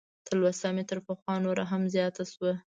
تلوسه مې تر پخوا نوره هم زیاته شوه.